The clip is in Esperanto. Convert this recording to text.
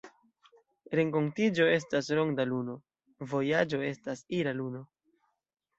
Renkontiĝo estas ‘ronda luno’,vojaĝo estas ‘ira luno’.